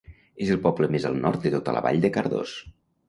És el poble més al nord de tota la Vall de Cardós.